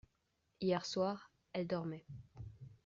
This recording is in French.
Hier soir, elle dormait…